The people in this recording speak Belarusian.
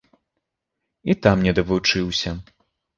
І там не давучыўся.